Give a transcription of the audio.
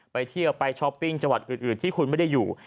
ไปเที่ยวไปช้อปปิ้งจังหวัดอื่นที่คุณไม่ได้อยู่